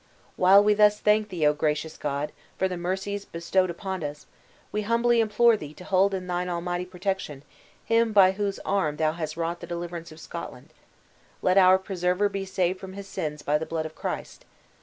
"While we thus thank thee, O gracious God! for the mercies bestowed upon us, we humbly implore thee to hold in thine Almighty protection him by whose arm thou has wrought the deliverance of Scotland. Let our preserver be saved from his sins by the blood of Christ!